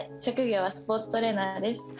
職業はスポーツトレーナーです。